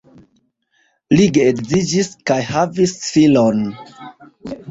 Li geedziĝis kaj havis filon.